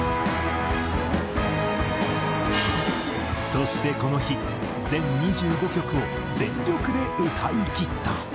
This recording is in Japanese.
そしてこの日全２５曲を全力で歌いきった。